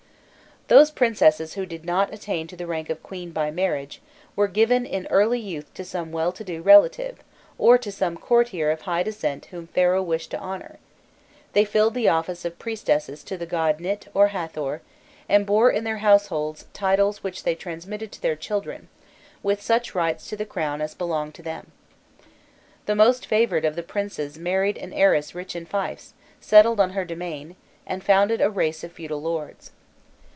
Those princesses who did not attain to the rank of queen by marriage, were given in early youth to some well to do relative, or to some courtier of high descent whom Pharaoh wished to honour; they filled the office of priestesses to the goddesses Nît or Hâthor, and bore in their households titles which they transmitted to their children, with such rights to the crown as belonged to them. The most favoured of the princes married an heiress rich in fiefs, settled on her domain, and founded a race of feudal lords.